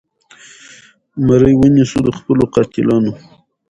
مرۍ ونیسو د خپلو قاتلانو